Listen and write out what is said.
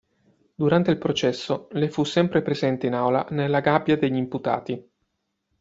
Durante il processo lei fu sempre presente in aula nella gabbia degli imputati.